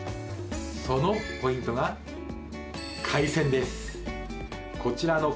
そのポイントが海鮮です